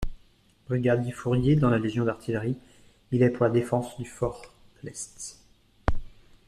Brigadier-fourrier dans la légion d’artillerie, il est pour la défense du fort de l'Est.